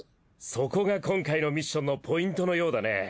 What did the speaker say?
そこが今回のミッションのポイントのようだね。